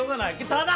ただ！